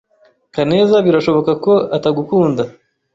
Kaneza birashoboka ko atagukunda.